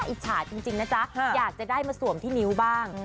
อิจฉาจริงนะจ๊ะอยากจะได้มาสวมที่นิ้วบ้าง